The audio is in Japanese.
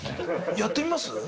やってみます？